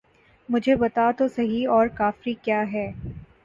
مجھے بتا تو سہی اور کافری کیا ہے!